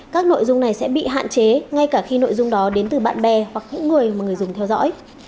các nội dung này sẽ bị hạn chế ngay cả khi nội dung đó đến từ bạn bè hoặc những người mà người dùng theo dõi